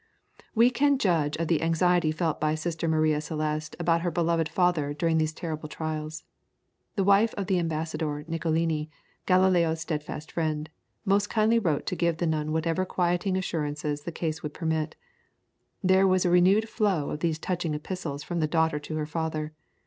We can judge of the anxiety felt by Sister Maria Celeste about her beloved father during these terrible trials. The wife of the ambassador Niccolini, Galileo's steadfast friend, most kindly wrote to give the nun whatever quieting assurances the case would permit. There is a renewed flow of these touching epistles from the daughter to her father.